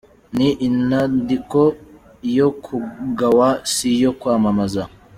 Ni inandiko yo kugawa si iyo kwamamazwa.